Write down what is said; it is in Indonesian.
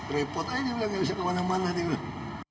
repot aja dia bilang nggak bisa kemana mana dia bilang